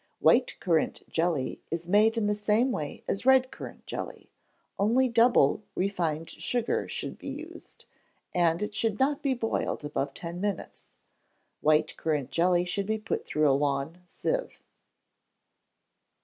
White currant jelly is made in the same way as red currant jelly, only double refined sugar should be used, and it should not be boiled above ten minutes. White currant jelly should be put through a lawn sieve.